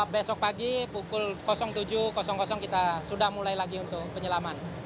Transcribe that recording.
besok pagi pukul tujuh kita sudah mulai lagi untuk penyelaman